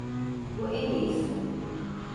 Bu en iyisi.